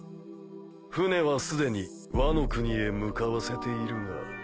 艦はすでにワノ国へ向かわせているが。